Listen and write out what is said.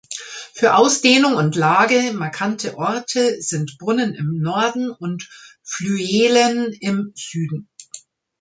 Für Ausdehnung und Lage markante Orte sind Brunnen im Norden und Flüelen im Süden.